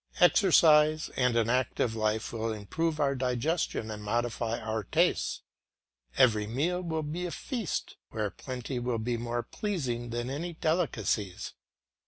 Exercise and an active life will improve our digestion and modify our tastes. Every meal will be a feast, where plenty will be more pleasing than any delicacies.